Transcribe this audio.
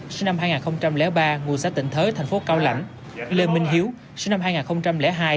sinh năm hai nghìn ba ngụ xã tịnh thới thành phố cao lãnh lê minh hiếu sinh năm hai nghìn hai